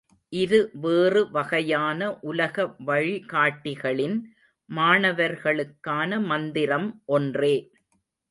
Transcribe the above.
இரு வேறு வகையான உலக வழிகாட்டிகளின் மாணவர்களுக்கான மந்திரம் ஒன்றே.